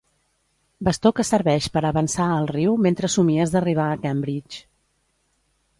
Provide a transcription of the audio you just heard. Bastó que serveix per avançar al riu mentre somies d'arribar a Cambridge.